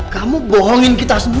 kamu bohongin kita semua